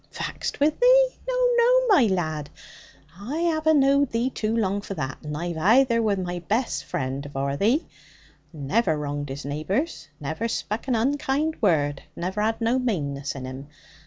'Vaxed wi' thee! Noo, noo, my lad. I 'ave a knowed thee too long for that. And thy veyther were my best friend, afore thee. Never wronged his neighbours, never spak an unkind word, never had no maneness in him.